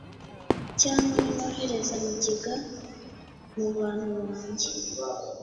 cyangwa ninohereza mugiga mu bantu banjye